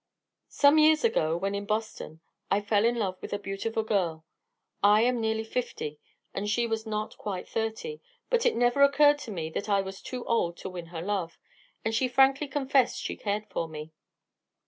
Some years ago, when in Boston, I fell in love with a beautiful girl. I am nearly fifty, and she was not quite thirty, but it never occurred to me that I was too old to win her love, and she frankly confessed she cared for me.